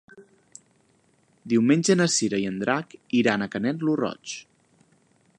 Diumenge na Cira i en Drac iran a Canet lo Roig.